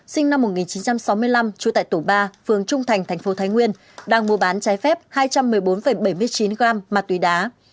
sinh năm một nghìn chín trăm sáu mươi năm trú tại tổ ba phường trung thành thành phố thái nguyên đang mua bán trái phép hai trăm một mươi bốn bảy mươi chín gram ma túy đá